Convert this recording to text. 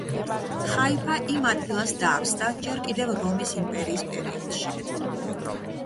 ხაიფა ამ ადგილას დაარსდა ჯერ კიდევ რომის იმპერიის პერიოდში.